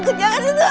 aku jangan sentuh